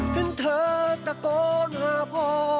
เห็นเธอแต่ก่อนห่าพ่อ